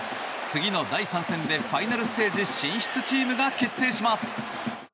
次の第３戦でファイナルステージ進出チームが決まります。